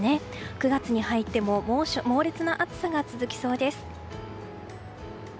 ９月に入っても猛烈な暑さが続きそうです。